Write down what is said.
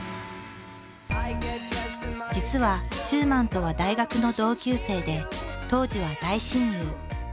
実は中馬とは大学の同級生で当時は大親友。